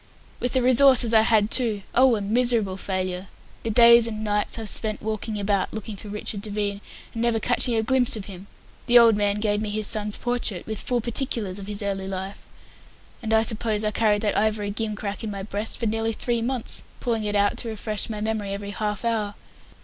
"With the resources I had, too. Oh, a miserable failure! The days and nights I've spent walking about looking for Richard Devine, and never catching a glimpse of him. The old man gave me his son's portrait, with full particulars of his early life, and I suppose I carried that ivory gimcrack in my breast for nearly three months, pulling it out to refresh my memory every half hour.